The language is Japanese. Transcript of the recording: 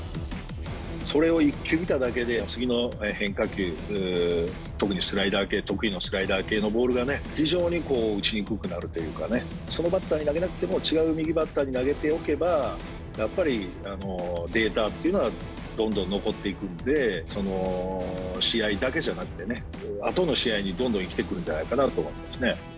それを１球見ただけで、次の変化球、特にスライダー系、得意のスライダー系のボールが非常にこう打ちにくくなるというかね、そのバッターに投げなくても、違う右バッターに投げておけば、やっぱりデータというのはどんどん残っていくので、その試合だけじゃなくてね、あとの試合にどんどん生きてくるんじゃないかなと思いますね。